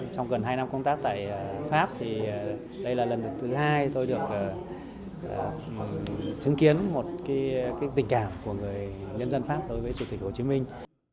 trong gần hai năm công tác tại pháp đây là lần thứ hai tôi được chứng kiến một tình cảm của người nhân dân pháp đối với chủ tịch hồ chí minh